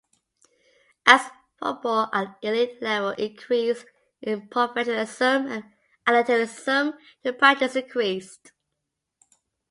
As football at the elite level increased in professionalism and athleticism, the practice increased.